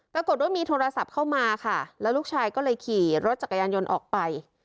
ปรากฏว่ามีโทรศัพท์เข้ามาค่ะแล้วลูกชายก็เลยขี่รถจักรยานยนต์ออกไป